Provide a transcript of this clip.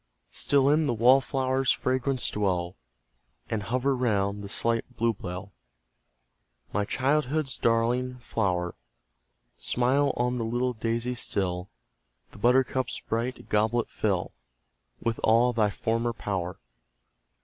Still in the wallflower's fragrance dwell; And hover round the slight bluebell, My childhood's darling flower. Smile on the little daisy still, The buttercup's bright goblet fill With all thy former power.